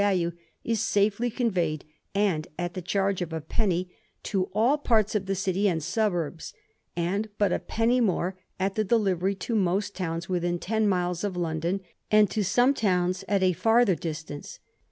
value is safely conveyed, and at the charge of a penny, to all parts of the city and suburbs, and but a penny more at the delivery to most towns within ten miles of London, and to some towns at a farther distance.